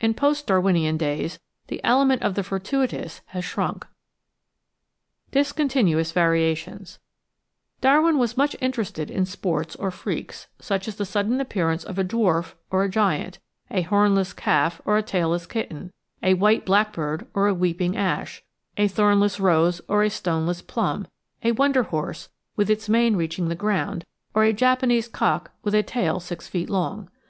In post Darwinian days the element of the fortuitous has shrunk. Discontinuous Variations Darwin was much interested in sports or freaks, such as the sudden appearance of a dwarf or a giant, a hornless calf or a tailless kitten, a white blackbird or a weeping ash, a thornless rose or a stoneless plum, a "wonder horse" with its mane reach ing the ground, or a Japanese cock with a tail six feet long.